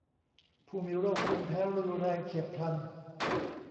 ผู้มีโรคภูมิแพ้รุนแรงเฉียบพลัน